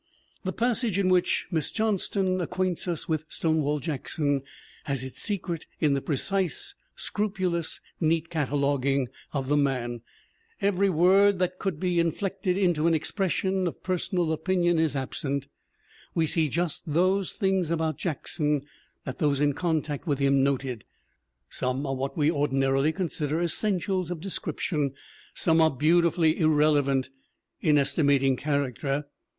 The passage in which Miss Johnston acquaints us with Stonewall Jackson has its secret in the precise, scrupulous, neat cataloguing of the man. Every word that cottld be inflected into an expression of per sonal opinion is absent. We see just those things about Jackson that those in contact with him noted; some are what we ordinarily consider essentials of description, some are beautifully irrelevant in es timating character.